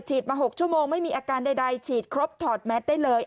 มา๖ชั่วโมงไม่มีอาการใดฉีดครบถอดแมทได้เลย